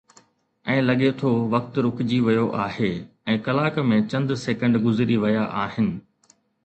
۽ لڳي ٿو وقت رڪجي ويو آهي ۽ ڪلاڪ ۾ چند سيڪنڊ گذري ويا آهن